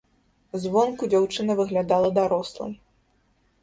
Звонку дзяўчына выглядала дарослай.